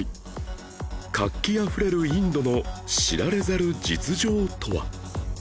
活気あふれるインドの知られざる実情とは？